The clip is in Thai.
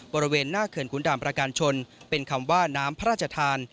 บริเวณหน้าเขื่อนขุนด่านประการชนเป็นคำว่าน้ำพระราชทาน